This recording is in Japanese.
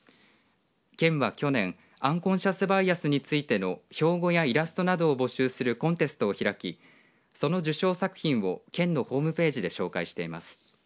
県は去年アンコンシャス・バイアスについての標語やイラストなどを募集するコンテストを開きその受賞作品を県のホームページで紹介しています。